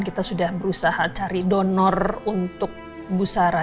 kita sudah berusaha cari donor untuk bu sarah